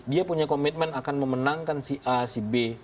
dia punya komitmen akan memenangkan si a si b